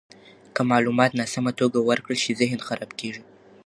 که معلومات ناسمه توګه ورکړل شي، ذهن خراب کیږي.